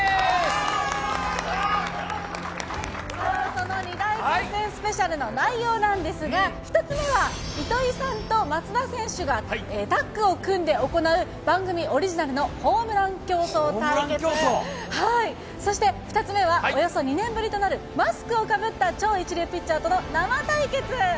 その二大決戦スペシャルの内容なんですが、１つ目は糸井さんと松田選手がタッグを組んで行う番組オリジナルのホームラン競争対決、そして、２つ目は、およそ２年ぶりとなるマスクをかぶった超一流ピッチャーとの生対決。